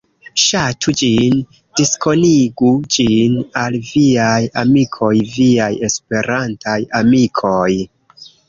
Ŝatu ĝin, diskonigu ĝin al viaj amikoj, viaj Esperantaj amikoj.